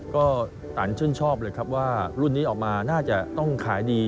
ก็ตันชื่นชอบเลยครับว่ารุ่นนี้ออกมาน่าจะต้องขายดี